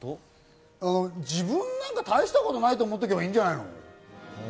自分なんか大したことないと思っててもいいんじゃないの？